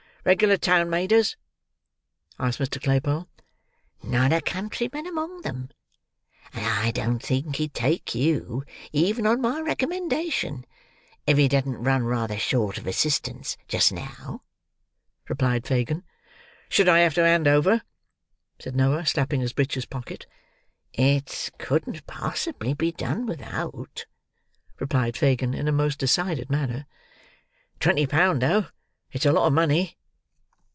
"Regular town maders?" asked Mr. Claypole. "Not a countryman among 'em; and I don't think he'd take you, even on my recommendation, if he didn't run rather short of assistants just now," replied Fagin. "Should I have to hand over?" said Noah, slapping his breeches pocket. "It couldn't possibly be done without," replied Fagin, in a most decided manner. "Twenty pound, though—it's a lot of money!"